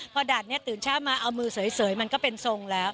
พอด่านนี้ตื่นเช้ามาเอามือเสยมันก็เป็นทรงแล้ว